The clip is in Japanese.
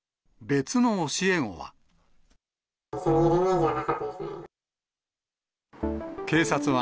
別の教え子は。